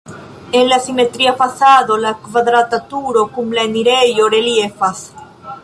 En la simetria fasado la kvadrata turo kun la enirejo reliefas.